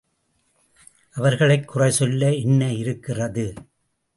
அவர்களைக் குறைசொல்ல என்ன இருக்கிறது?